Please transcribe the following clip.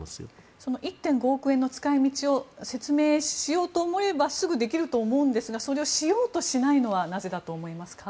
その１．５億の使い道を説明しようと思えばすぐにできると思うんですがそれをしようと思わないのはなぜだと思いますか？